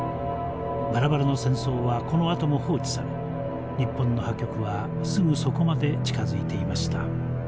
バラバラの戦争はこのあとも放置され日本の破局はすぐそこまで近づいていました。